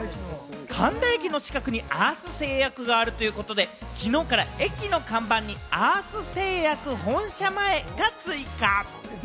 神田駅の近くにアース製薬があるということで、きのうから駅の看板に「アース製薬本社前」が追加。